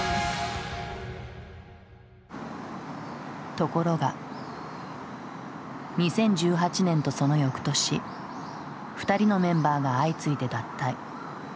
ところが２０１８年とその翌年２人のメンバーが相次いで脱退。